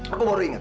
aku baru ingat